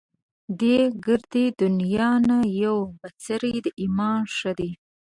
دې ګردې دنيا نه يو بڅری د ايمان ښه دی